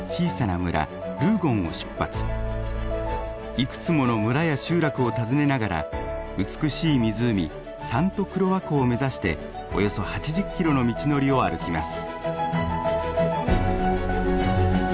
いくつもの村や集落を訪ねながら美しい湖サント・クロワ湖を目指しておよそ８０キロの道のりを歩きます。